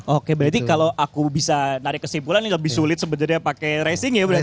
oke berarti kalau aku bisa narik kesimpulan ini lebih sulit sebenarnya pakai racing ya berarti ya